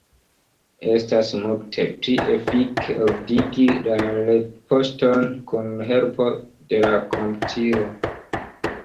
Estas multe pli efike ordigi la retpoŝton kun helpo de la komputilo.